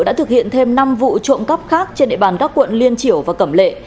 đã thực hiện thêm năm vụ trộm cắp khác trên địa bàn các quận liên triểu và cẩm lệ